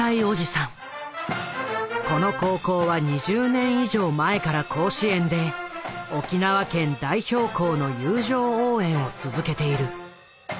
この高校は２０年以上前から甲子園で沖縄県代表校の友情応援を続けている。